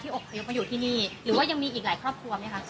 อบพยพมาอยู่ที่นี่หรือว่ายังมีอีกหลายครอบครัวไหมคะ